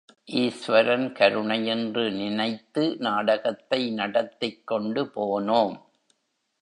ஈஸ்வரன் கருணையென்று நினைத்து நாடகத்தை நடத்திக் கொண்டு போனோம்.